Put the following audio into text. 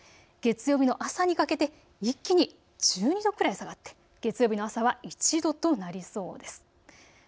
月曜日の朝にかけて一気に１２度くらい下がって月曜日の朝は１度となりそうです。